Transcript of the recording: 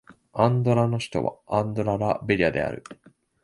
アンドラの首都はアンドラ・ラ・ベリャである